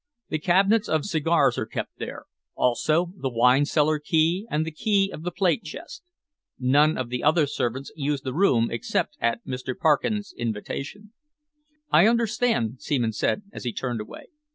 The cabinets of cigars are kept there, also the wine cellar key and the key of the plate chest. None of the other servants use the room except at Mr. Parkins' invitation." "I understand," Seaman said, as he turned away.